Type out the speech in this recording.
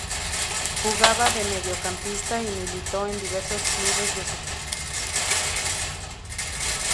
Jugaba de mediocampista y militó en diversos clubes de su país y Nueva Zelanda.